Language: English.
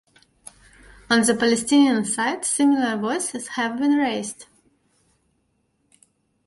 On the Palestinian side, similar voices have been raised.